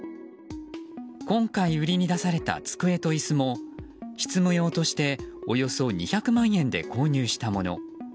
今回、売りに出された机と椅子も執務用としておよそ２００万円で購入したもの。